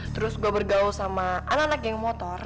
terus gue bergaul sama anak anak geng motor